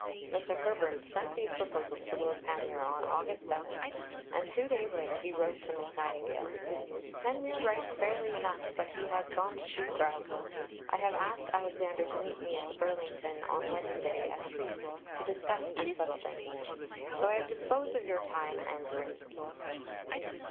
Mr. Herbert sent these proposals to Lord Panmure on August 7, and two days later he wrote to Miss Nightingale: "Panmure writes fairly enough, but he has gone to shoot grouse. I have asked Alexander to meet me at the Burlington on Wednesday at 3, to discuss and settle things. So I have disposed of your time and rooms."